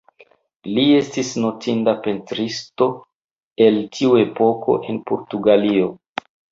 Li estis notinda pentristo el tiu epoko en Portugalio.